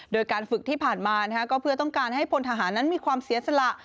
โดยการฝึกที่ผ่านมาก็เพื่อต้องการให้พลทหารนั้นมีความเสียสละ